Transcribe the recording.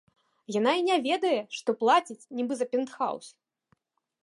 Яна і не ведае, што плаціць нібы за пентхаўс!